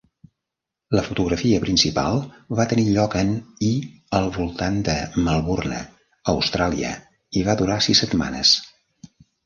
La fotografia principal va tenir lloc en i al voltant de Melbourne, Austràlia, i va durar sis setmanes.